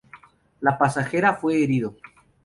La pasajera fue herido.